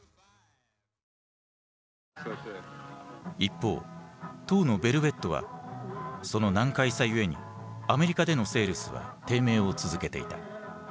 一方当のヴェルヴェットはその難解さゆえにアメリカでのセールスは低迷を続けていた。